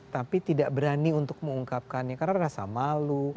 tapi tidak berani untuk mengungkapkannya karena rasa malu